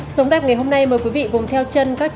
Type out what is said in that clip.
sống đẹp ngày hôm nay mời quý vị cùng theo chân các